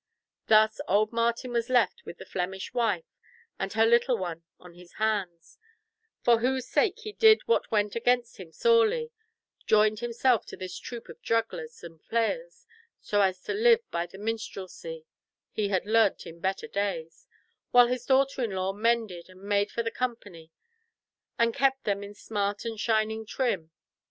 Thus old Martin was left with the Flemish wife and her little one on his hands, for whose sake he did what went against him sorely, joined himself to this troop of jugglers and players, so as to live by the minstrelsy he had learnt in better days, while his daughter in law mended and made for the company and kept them in smart and shining trim.